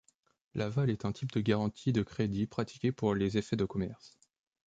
L'aval est un type de garantie de crédit pratiqué pour les effets de commerce.